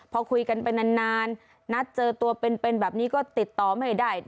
พอคุยกันไปนานนัดเจอตัวเป็นแบบนี้ก็ติดต่อไม่ได้